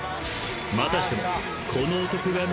［またしても］